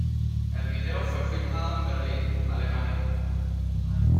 El video fue filmado en Berlín, Alemania.